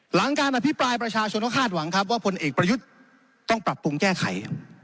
หลังการอภิปรายประชาชนก็คาดหวังครับว่าผลเอกประยุทธ์ต้องปรับปรุงแก้ไข